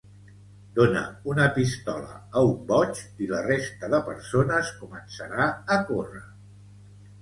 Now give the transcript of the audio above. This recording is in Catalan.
Dona una pistola a un boig i la resta de persones començarà a córrer